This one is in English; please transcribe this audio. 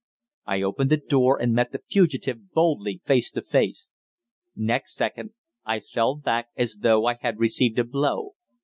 I opened the door, and met the fugitive boldly face to face. Next second I fell back as though I had received a blow.